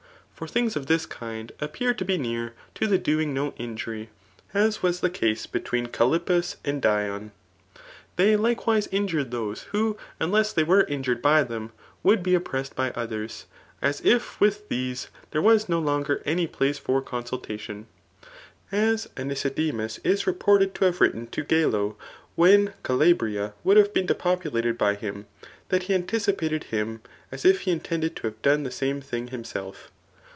For tWngs oi tbb land 7(1 TH£ ART or BOOK* I. appear t& be near to t^ doing no injury^ es >irM tbe < between Galippus and Diom They likewise iiijute jthote who unless they were ipjured by them^ wo^ lie op pMssed by others, aa if with these tbiSre wa6 no longer any place for consultation } as Anteidemaa is reported to have written to Gelo, when Calabria wduld have been depopulated by him» that he had anticipated hini» as if he intended to have done the same thing himself.